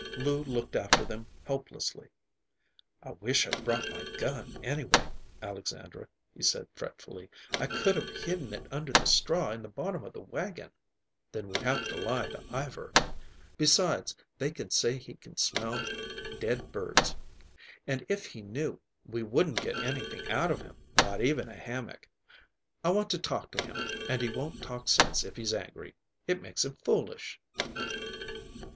Lou looked after them helplessly. "I wish I'd brought my gun, anyway, Alexandra," he said fretfully. "I could have hidden it under the straw in the bottom of the wagon." "Then we'd have had to lie to Ivar. Besides, they say he can smell dead birds. And if he knew, we wouldn't get anything out of him, not even a hammock. I want to talk to him, and he won't talk sense if he's angry. It makes him foolish."